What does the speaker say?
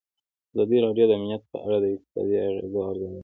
ازادي راډیو د امنیت په اړه د اقتصادي اغېزو ارزونه کړې.